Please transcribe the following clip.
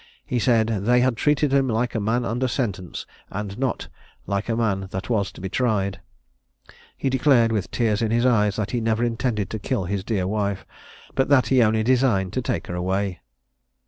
He said "they had treated him like a man under sentence, and not like a man that was to be tried." He declared, with tears in his eyes, that he never intended to kill his dear wife, but that he only designed to take her away.